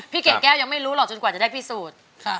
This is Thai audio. เกดแก้วยังไม่รู้หรอกจนกว่าจะได้พิสูจน์